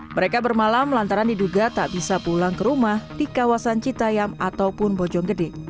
mereka bermalam lantaran diduga tak bisa pulang ke rumah di kawasan citayam ataupun bojonggede